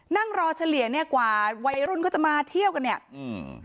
นั่งรอเฉลี่ยเนี้ยกว่าวัยรุ่นเขาจะมาเที่ยวกันเนี่ยอืม